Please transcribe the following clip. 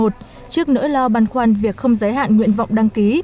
trước nỗi lo băn khoăn việc không giới hạn nguyện vọng đăng ký